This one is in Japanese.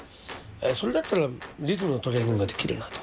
それだったらリズムのトレーニングができるなと。